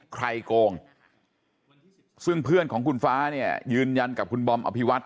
โกงซึ่งเพื่อนของคุณฟ้าเนี่ยยืนยันกับคุณบอมอภิวัต